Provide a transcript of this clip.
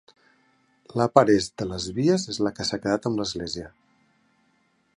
La part est de les vies és la que s'ha quedat amb l'església.